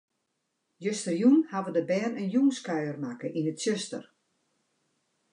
Justerjûn hawwe de bern in jûnskuier makke yn it tsjuster.